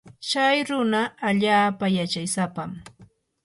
chay runa allaapa yachaysapam.